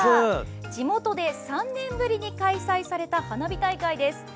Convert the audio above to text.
地元で３年ぶりに開催された花火大会です。